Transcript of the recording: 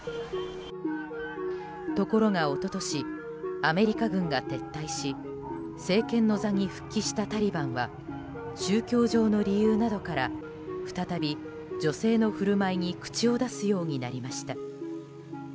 ところが、一昨年アメリカ軍が撤退し政権の座に復帰したタリバンは宗教上の理由などから再び、女性の振る舞いに口を出すようになりました。